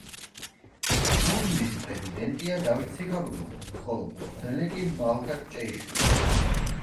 გუნდის პრეზიდენტია დავით სიხარულიძე, ხოლო მწვრთნელი კი მალხაზ ჭეიშვილი.